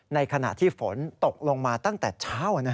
ในขณะที่ฝนตกลงมาตั้งแต่เช้า